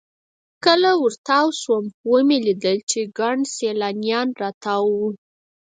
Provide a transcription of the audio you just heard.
کله ورتاو سوم ومې لېدل چې ګڼ سیلانیان راتاو وو.